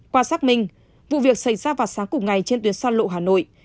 qua xác minh vụ việc xảy ra vào sáng cùng ngày trên tuyến xa lộ hà nội